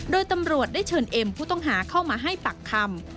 โดยตำรวจได้เชิญเอ็มผู้ต้องหาเข้ามาให้ปากคำ